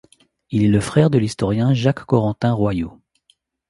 Il est le frère de l'historien Jacques-Corentin Royou.